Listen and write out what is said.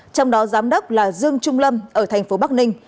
trong đó giám đốc là dương trung lâm ở thành phố bắc ninh